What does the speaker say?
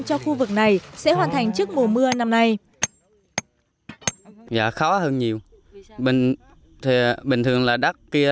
cho khu vực này sẽ hoàn thành trước